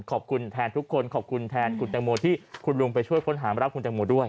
ขอบคุณแทนทุกคนขอบคุณแทนคุณแตงโมที่คุณลุงไปช่วยค้นหาร่างคุณแตงโมด้วย